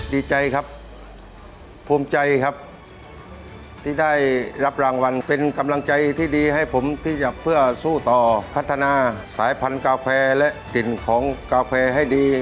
ดีใจครับภูมิใจครับที่ได้รับรางวัลเป็นกำลังใจที่ดีให้ผมที่จะเพื่อสู้ต่อพัฒนาสายพันธุ์กาแฟและกลิ่นของกาแฟให้ดี